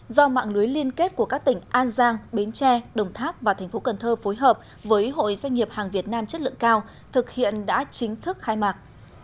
do mạng lưới liên kết của các tỉnh an giang bến tre đồng tháp và tp cn phối hợp với hội doanh nghiệp hàng việt nam chất lượng cao thực hiện đã chính thức khai mạc